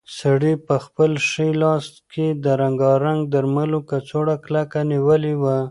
سړي په خپل ښي لاس کې د رنګارنګ درملو کڅوړه کلکه نیولې وه.